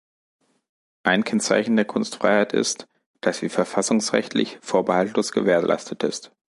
Ein Kennzeichen der Kunstfreiheit ist, dass sie verfassungsrechtlich vorbehaltlos gewährleistet ist.